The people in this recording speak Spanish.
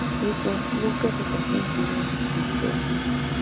Eaton nunca se casó y murió en Montreal.